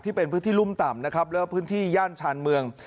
เป็นพื้นที่รุ่มต่ำนะครับแล้วก็พื้นที่ย่านชานเมือง